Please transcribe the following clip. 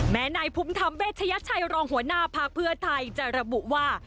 นายภูมิธรรมเวชยชัยรองหัวหน้าพักเพื่อไทยจะระบุว่า